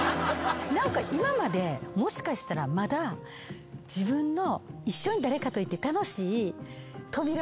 今までもしかしたらまだ自分の。